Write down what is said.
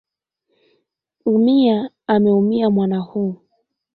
Umia ameumia mwana huu.